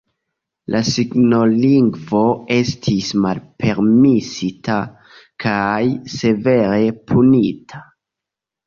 La signolingvo estis malpermesita, kaj severe punita.